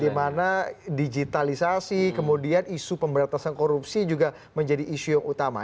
dimana digitalisasi kemudian isu pemberantasan korupsi juga menjadi isu yang utama